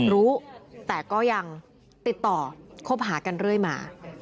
รู้แต่ก็ยังติดต่อคบหากันเรื่อยมา